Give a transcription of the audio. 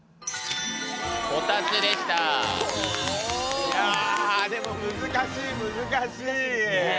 いやでも難しい難しい。